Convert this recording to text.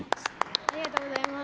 ありがとうございます。